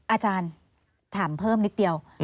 อาจารย์ถามเพิ่มนิดเดียว